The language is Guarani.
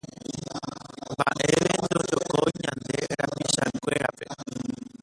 Mbaʼeve ndojokói ñande rapichakuérape